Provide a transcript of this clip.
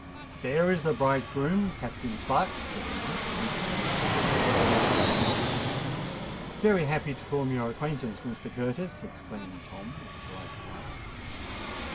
"There is the bridegroom, Captain Sparks," said the knight, pompously waving his hand towards his nephew. "Very happy to form your acquaintance, Mr. Curtis," exclaimed Tom, with a polite bow.